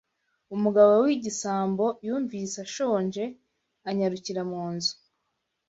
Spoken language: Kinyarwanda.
Umugabo w’igisambo yumvise ashonje anyarukira mu nzu